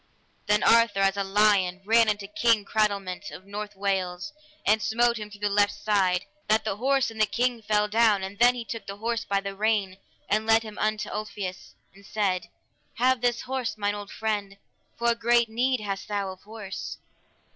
Then Arthur as a lion, ran unto King Cradelment of North Wales, and smote him through the left side, that the horse and the king fell down; and then he took the horse by the rein, and led him unto Ulfius, and said, Have this horse, mine old friend, for great need hast thou of horse.